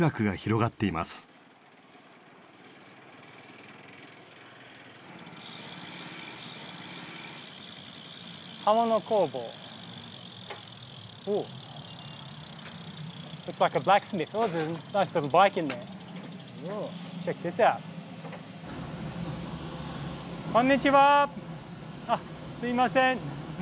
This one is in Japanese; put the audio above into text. あっすいません。